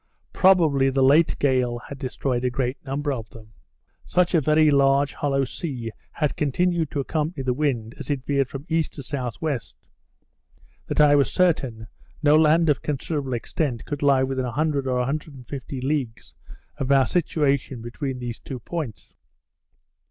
Probably the late gale had destroyed a great number of them. Such a very large hollow sea had continued to accompany the wind as it veered from E. to S.W. that I was certain no land of considerable extent could lie within 100 or 150 leagues of our situation between these two points.